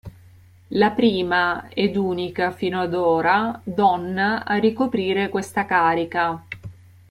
La prima, ed unica fino ad ora, donna a ricoprire questa carica.